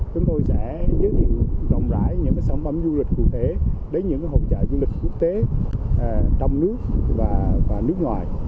chúng tôi sẽ giới thiệu rộng rãi những sản phẩm du lịch cụ thể đến những hỗ trợ du lịch quốc tế trong nước và nước ngoài